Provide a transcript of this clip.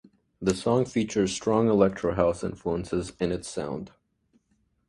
The song features strong electro house influences in its sound.